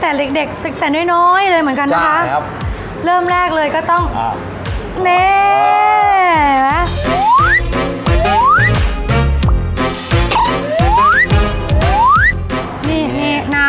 นี่นี่น้องน้องน้องน้องน้อง